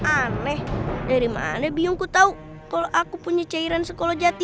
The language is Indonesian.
aneh dari mana bingungku tahu kalau aku punya cairan sekolah jati